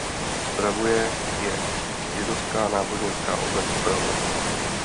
Spravuje je Židovská náboženská obec v Praze.